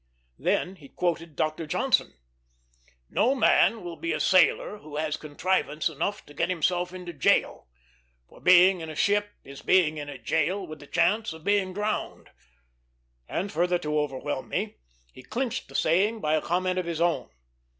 Then he quoted Dr. Johnson: "No man will be a sailor who has contrivance enough to get himself into jail; for being in a ship is being in a jail with the chance of being drowned"; and further to overwhelm me, he clinched the saying by a comment of his own.